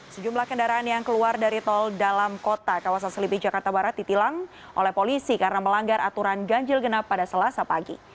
sejumlah kendaraan yang keluar dari tol dalam kota kawasan selipi jakarta barat ditilang oleh polisi karena melanggar aturan ganjil genap pada selasa pagi